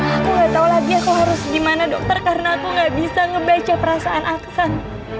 aku gak tau lagi aku harus gimana dokter karena aku gak bisa ngebaca perasaan aksan